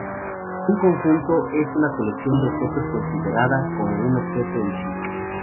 Un conjunto es una colección de objetos considerada como un objeto en sí.